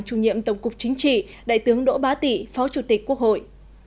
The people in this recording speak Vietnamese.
chủ nhiệm tổng cục chính trị đại tướng đỗ bá tị phó chủ tịch quốc hội